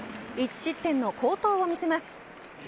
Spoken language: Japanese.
１失点の好投を見せます。